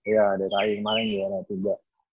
iya dki kemaren bela tiga